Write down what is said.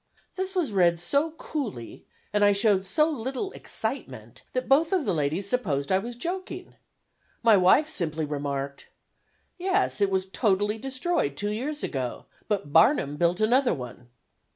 '" This was read so coolly, and I showed so little excitement, that both of the ladies supposed I was joking. My wife simply remarked: "Yes, it was totally destroyed two years ago, but Barnum built another one."